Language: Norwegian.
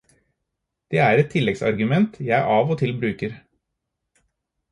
Det er et tilleggsargument jeg av og til bruker.